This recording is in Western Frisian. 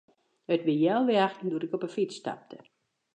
It wie healwei achten doe't ik op 'e fyts stapte.